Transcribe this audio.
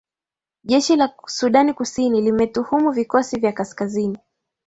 jeshi la sudan kusini limetuhumu vikosi vya kaskazini